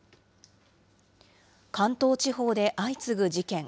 関東地方で相次ぐ事件。